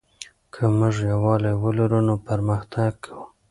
که موږ یووالی ولرو نو پرمختګ کوو.